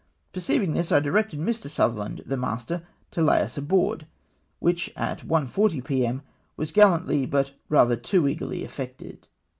Perceiving this, I directed Mr. Sutherland, the master, to lay us aboard, which at 1.40 p.m. was gallantly but rather too eagerly effected.